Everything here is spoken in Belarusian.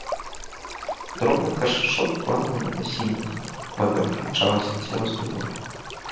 Дробны каршачок плаваў над асіннікам, вавёрка імчалася цераз дубы.